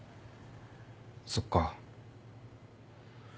そっか。